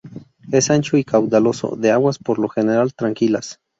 Es ancho y caudaloso, de aguas por lo general tranquilas.